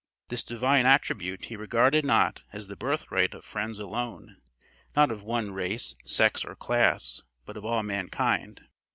This divine attribute he regarded not as the birth right of Friends alone, not of one race, sex or class, but of all mankind.